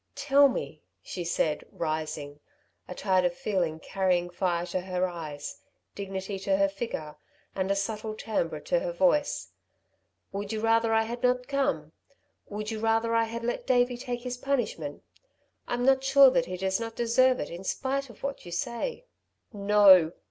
"Tell me," she said, rising, a tide of feeling carrying fire to her eyes, dignity to her figure and a subtle timbre to her voice, "would you rather I had not come? Would you rather I had let Davey take his punishment? I'm not sure that he does not deserve it in spite of what you say." "No!"